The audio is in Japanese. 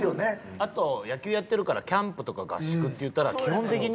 あと野球やってるからキャンプとか合宿っていったら基本的に。